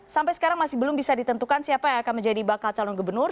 sampai sekarang masih belum bisa ditentukan siapa yang akan menjadi bakal calon gubernur